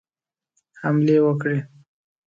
حملې وکړي.